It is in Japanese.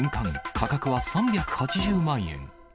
価格は３８０万円。